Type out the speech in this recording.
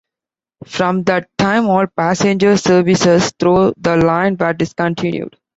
From that time, all passenger services through the line were discontinued.